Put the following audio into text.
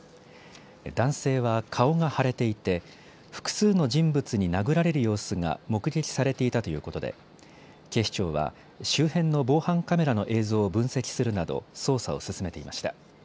男性は顔が腫れていて複数の人物に殴られる様子が目撃されていたということで警視庁は周辺の防犯カメラの映像を分析するなど捜査を進めていました。